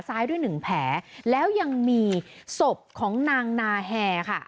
ด้วยหนึ่งแผลแล้วยังมีศพของนางนาแฮค่ะ